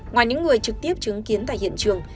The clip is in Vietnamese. ngoài những người trực tiếp chứng kiến tại hiện trường